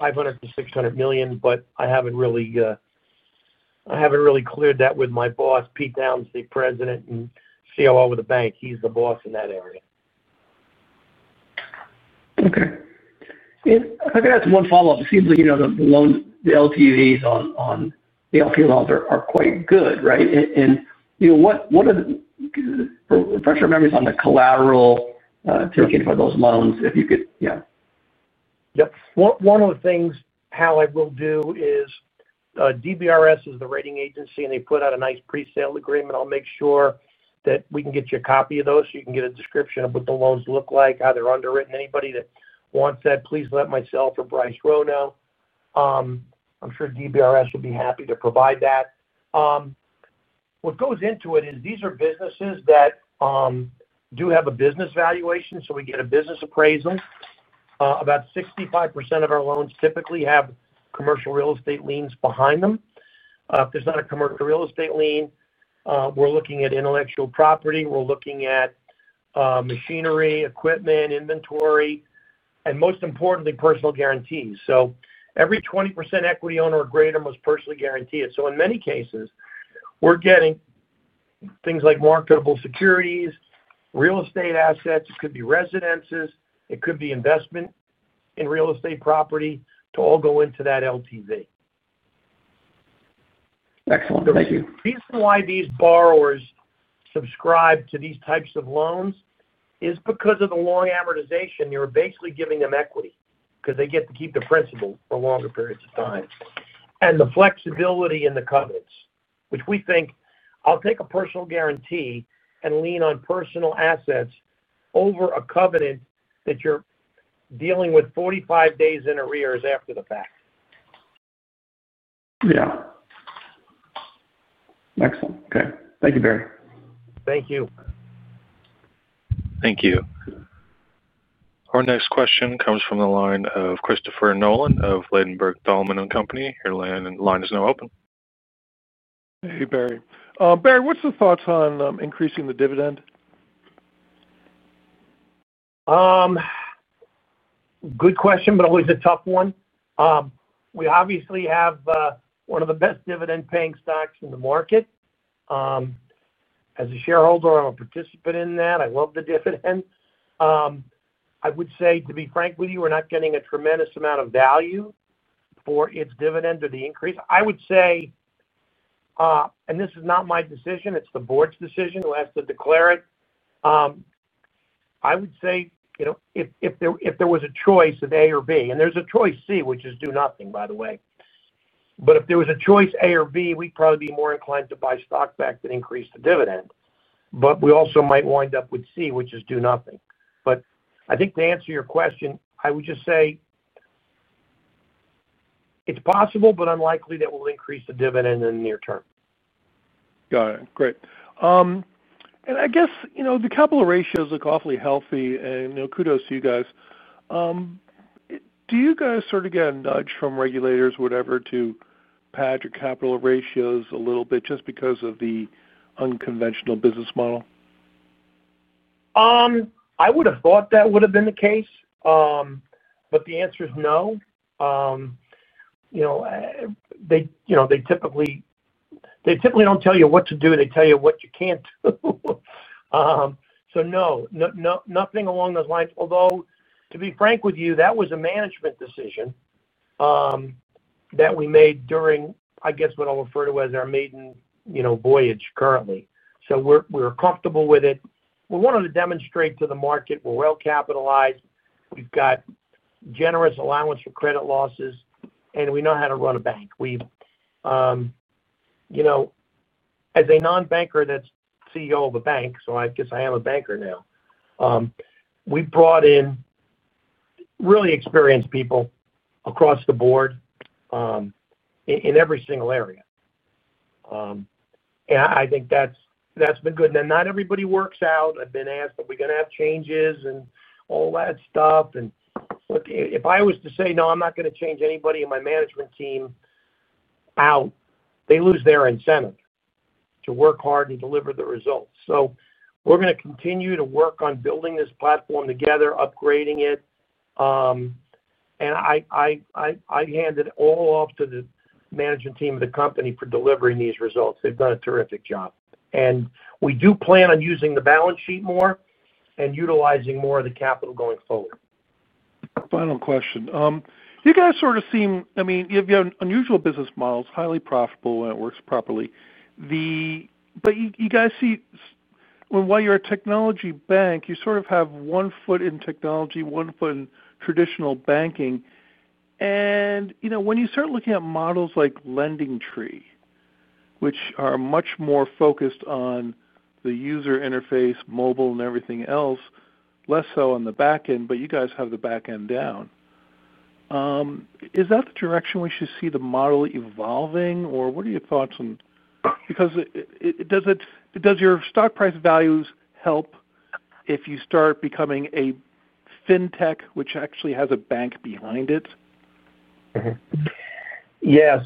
$500 million-$600 million, but I haven't really cleared that with my boss, Pete Downs, the President and COO of the bank. He's the boss in that area. Okay. I can ask one follow-up. It seems like the LTVs on the LP loans are quite good, right? What are the, refresh our memories on the collateral taken for those loans if you could, yeah. One of the things I will do is DBRS is the rating agency, and they put out a nice pre-sale agreement. I'll make sure that we can get you a copy of those so you can get a description of what the loans look like, how they're underwritten. Anybody that wants that, please let myself or Bryce Roe know. I'm sure DBRS will be happy to provide that. What goes into it is these are businesses that do have a business valuation, so we get a business appraisal. About 65% of our loans typically have commercial real estate liens behind them. If there's not a commercial real estate lien, we're looking at intellectual property, machinery, equipment, inventory, and most importantly, personal guarantees. Every 20% equity owner or greater must personally guarantee it. In many cases, we're getting things like marketable securities, real estate assets. It could be residences. It could be investment in real estate property to all go into that LTV. Excellent. Thank you. The reason why these borrowers subscribe to these types of loans is because of the long amortization. You're basically giving them equity because they get to keep the principal for longer periods of time, and the flexibility in the covenants, which we think, I'll take a personal guarantee and lien on personal assets over a covenant that you're dealing with 45 days in arrears after the fact. Excellent. Okay. Thank you, Barry. Thank you. Thank you. Our next question comes from the line of Christopher Nolan of Ladenburg Thalmann & Company. Your line is now open. Hey, Barry. Barry, what's your thoughts on increasing the dividend? Good question, but always a tough one. We obviously have one of the best dividend-paying stocks in the market. As a shareholder, I'm a participant in that. I love the dividend. I would say, to be frank with you, we're not getting a tremendous amount of value for its dividend or the increase. I would say this is not my decision. It's the Board's decision who has to declare it. I would say, you know, if there was a choice of A or B, and there's a choice C, which is do nothing, by the way. If there was a choice A or B, we'd probably be more inclined to buy stock back than increase the dividend. We also might wind up with C, which is do nothing. I think to answer your question, I would just say it's possible, but unlikely that we'll increase the dividend in the near term. Got it. Great. I guess, you know, the capital ratios look awfully healthy, and kudos to you guys. Do you guys sort of get a nudge from regulators, whatever, to pad your capital ratios a little bit just because of the unconventional business model? I would have thought that would have been the case, but the answer is no. They typically don't tell you what to do. They tell you what you can't do. No, nothing along those lines. Although, to be frank with you, that was a management decision that we made during, I guess, what I'll refer to as our maiden voyage currently. We're comfortable with it. We wanted to demonstrate to the market we're well capitalized. We've got generous allowance for credit losses, and we know how to run a bank. As a non-banker that's CEO of a bank, so I guess I am a banker now, we brought in really experienced people across the board in every single area. I think that's been good. Not everybody works out. I've been asked, "Are we going to have changes?" and all that stuff. If I was to say, "No, I'm not going to change anybody in my management team out," they lose their incentive to work hard to deliver the results. We're going to continue to work on building this platform together, upgrading it. I'd hand it all off to the management team of the company for delivering these results. They've done a terrific job. We do plan on using the balance sheet more and utilizing more of the capital going forward. Final question. You guys sort of seem, I mean, you have unusual business models, highly profitable when it works properly. You guys see, while you're a technology bank, you sort of have one foot in technology, one foot in traditional banking. When you start looking at models like LendingTree, which are much more focused on the user interface, mobile, and everything else, less so on the back end, you guys have the back end down. Is that the direction we should see the model evolving, or what are your thoughts on? Does your stock price values help if you start becoming a fintech, which actually has a bank behind it? Yeah.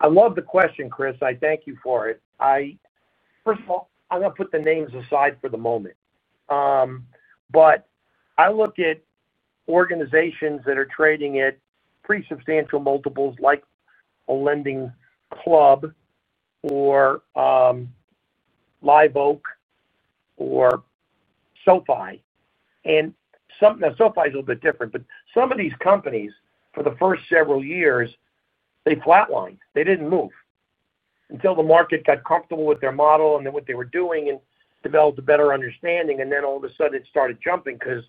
I love the question, Chris. I thank you for it. First of all, I'm going to put the names aside for the moment. I look at organizations that are trading at pretty substantial multiples like a LendingClub or Live Oak or SoFi. SoFi is a little bit different, but some of these companies, for the first several years, they flatlined. They didn't move until the market got comfortable with their model and what they were doing and developed a better understanding. Then all of a sudden, it started jumping because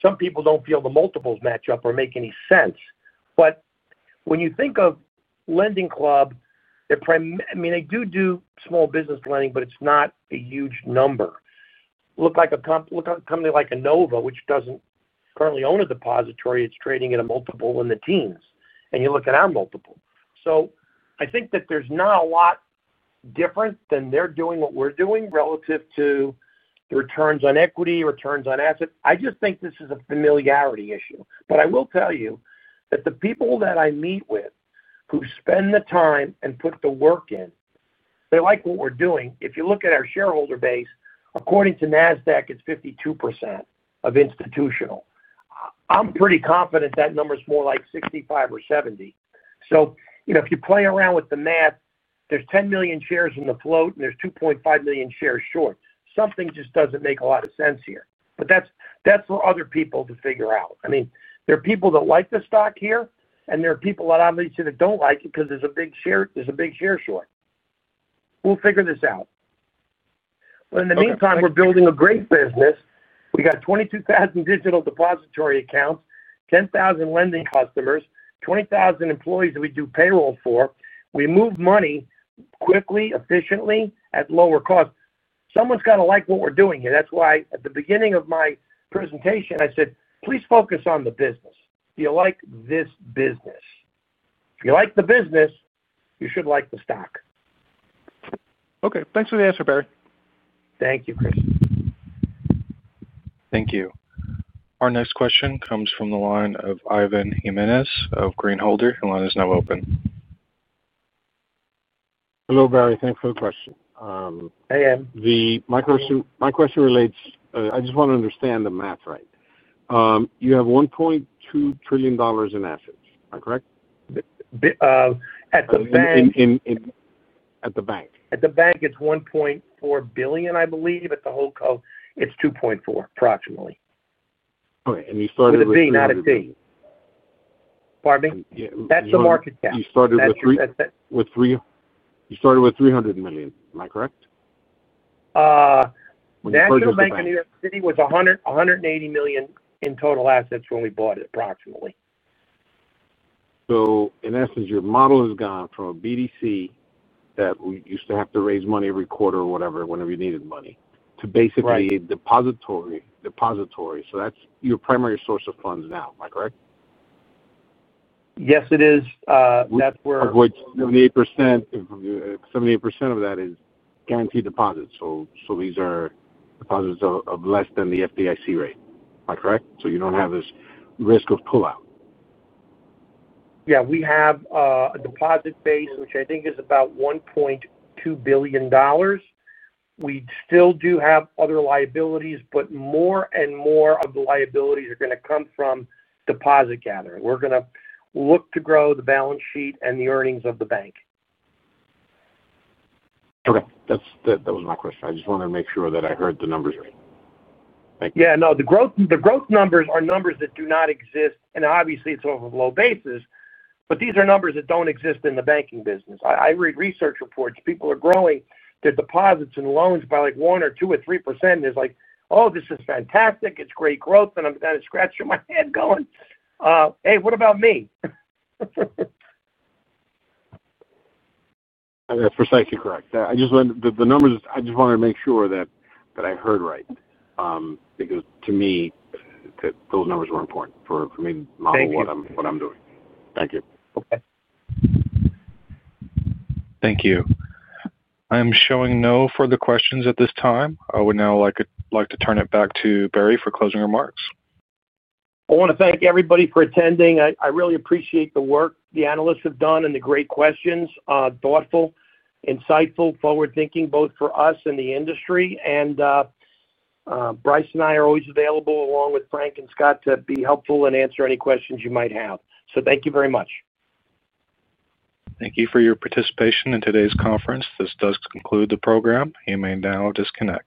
some people don't feel the multiples match up or make any sense. When you think of LendingClub, they do small business lending, but it's not a huge number. Look at a company like Enova, which doesn't currently own a depository. It's trading at a multiple in the teens. You look at our multiple. I think that there's not a lot different than they're doing what we're doing relative to the returns on equity, returns on assets. I just think this is a familiarity issue. I will tell you that the people that I meet with who spend the time and put the work in, they like what we're doing. If you look at our shareholder base, according to NASDAQ, it's 52% institutional. I'm pretty confident that number is more like 65% or 70%. If you play around with the math, there's 10 million shares in the float and there's 2.5 million shares short. Something just doesn't make a lot of sense here. That's for other people to figure out. There are people that like the stock here, and there are people that obviously don't like it because there's a big share short. We'll figure this out. In the meantime, we're building a great business. We got 22,000 digital depository accounts, 10,000 lending customers, 20,000 employees that we do payroll for. We move money quickly, efficiently, at lower cost. Someone's got to like what we're doing here. That's why at the beginning of my presentation, I said, "Please focus on the business. Do you like this business? If you like the business, you should like the stock. Okay. Thanks for the answer, Barry. Thank you, Chris. Thank you. Our next question comes from the line of Ivan Jimenez of Greenholder. Your line is now open. Hello, Barry. Thanks for the question. Hey, Ivan. My question relates, I just want to understand the math right. You have $1.2 billion in assets. Am I correct? At the bank. At the bank. At the bank, it's $1.4 billion, I believe. At the whole Co, it's approximately $2.4 billion. Okay. You started with. With a C, not a T. Pardon me? That's the market cap. You started with three. You started with $300 million. Am I correct? National Bank of New York City was $180 million in total assets when we bought it, approximately. In essence, your model has gone from a BDC that we used to have to raise money every quarter or whenever you needed money, to basically a depository. That's your primary source of funds now. Am I correct? Yes, it is. That's where. Of which 78% of that is guaranteed deposits. These are deposits of less than the FDIC rate. Am I correct? You don't have this risk of pull-out. We have a deposit base, which I think is about $1.2 billion. We still do have other liabilities, but more and more of the liabilities are going to come from deposit gathering. We're going to look to grow the balance sheet and the earnings of the bank. Okay. That was my question. I just wanted to make sure that I heard the numbers right. Thank you. Yeah. No, the growth numbers are numbers that do not exist, and obviously, it's on a low basis, but these are numbers that don't exist in the banking business. I read research reports. People are growing their deposits and loans by like 1% or 2% or 3%. It's like, "Oh, this is fantastic. It's great growth." I'm kind of scratching my head going, "Hey, what about me? I think you're correct. I just wanted the numbers. I just wanted to make sure that I heard right, because to me, those numbers were important for me to model what I'm doing. Thank you. Okay. Thank you. I am showing no further questions at this time. I would now like to turn it back to Barry for closing remarks. I want to thank everybody for attending. I really appreciate the work the analysts have done and the great questions. Thoughtful, insightful, forward-thinking, both for us and the industry. Bryce and I are always available along with Frank and Scott to be helpful and answer any questions you might have. Thank you very much. Thank you for your participation in today's conference. This does conclude the program. You may now disconnect.